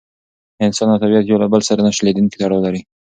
انسان او طبیعت یو له بل سره نه شلېدونکی تړاو لري.